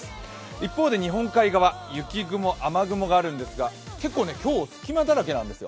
一方で日本海側、雪雲、雨雲があるんですけれども結構、今日、隙間だらけなんですよ。